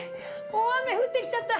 大雨降ってきちゃった！